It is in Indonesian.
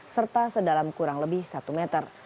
serta sedalam kurang lebih satu meter